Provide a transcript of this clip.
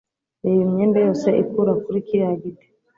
Reba imyembe yose ikura kuri kiriya giti